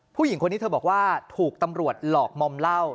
ผู้หญิงคนนี้เธอบอกว่าถูกตำรวจหลอกมอมเหล้า